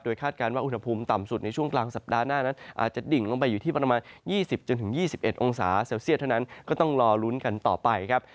คาดการณ์ว่าอุณหภูมิต่ำสุดในช่วงกลางสัปดาห์หน้านั้นอาจจะดิ่งลงไปอยู่ที่ประมาณ๒๐๒๑องศาเซลเซียตเท่านั้นก็ต้องรอลุ้นกันต่อไปครับ